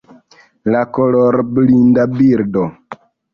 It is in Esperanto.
La kolorblinda birdo